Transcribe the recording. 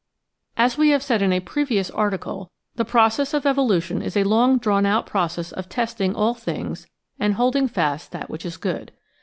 As we have said in a previous article, the process of evolu tion is a long drawn out process of testing all things and holding fast that which is good.